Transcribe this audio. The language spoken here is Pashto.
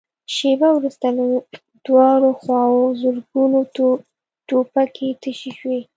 شېبه وروسته له دواړو خواوو زرګونه ټوپکې تشې شوې.